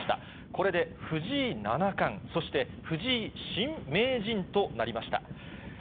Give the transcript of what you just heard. これで藤井七冠、そして藤井新名人となりました。